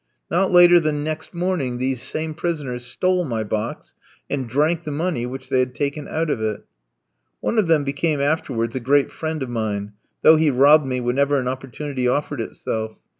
Not later than next morning these same prisoners stole my box, and drank the money which they had taken out of it. One of them became afterwards a great friend of mine, though he robbed me whenever an opportunity offered itself.